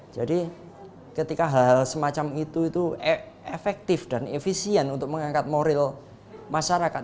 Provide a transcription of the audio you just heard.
jadi ketika hal semacam itu efektif dan efisien untuk mengangkat moral masyarakat